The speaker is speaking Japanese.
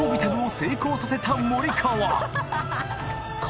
成功させた森川磴